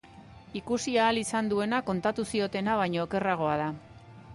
Ikusi ahal izan duena kontatu ziotena baina okerragoa da.